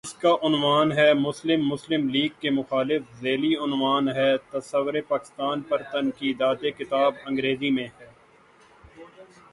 اس کا عنوان ہے:"مسلم مسلم لیگ کے مخالف" ذیلی عنوان ہے:"تصورپاکستان پر تنقیدات" کتاب انگریزی میں ہے۔